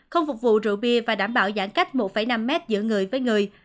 không phục vụ rượu bia và đảm bảo giãn cách một năm mét giữa người với người